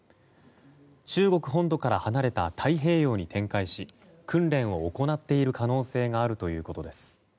中国本土から離れた太平洋に展開し訓練を行っている可能性があるということです。